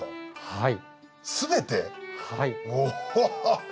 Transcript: はい。